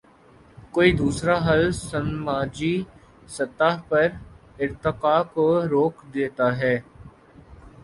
کوئی دوسرا حل سماجی سطح پر ارتقا کو روک دیتا ہے۔